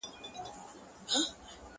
پلار یې تېر تر هدیرې سو تر قبرونو.!